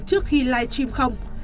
trước khi live stream không